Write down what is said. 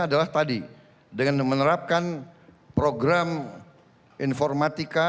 adalah tadi dengan menerapkan program informatika